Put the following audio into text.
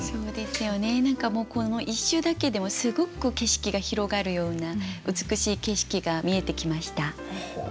何かもうこの一首だけでもすごく景色が広がるような美しい景色が見えてきました。